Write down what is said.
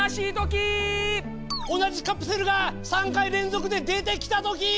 同じカプセルが３回連続で出てきたときー！